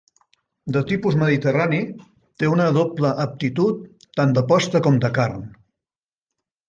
De tipus mediterrani, té una doble aptitud tant de posta com de carn.